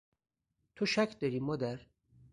تو شک داری مادر ؟